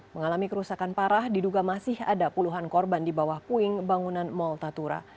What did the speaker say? mengalami kerusakan parah diduga masih ada puluhan korban di bawah puing bangunan mall tatura